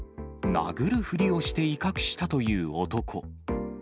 殴るふりをして威嚇したという男。